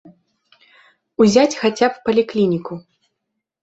Узяць хаця б паліклініку.